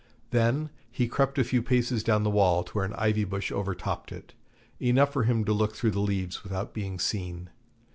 Then he crept a few paces down the wall to where an ivy bush over topped it, enough for him to look through the leaves without being seen.